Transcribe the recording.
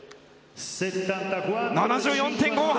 ７４．５８！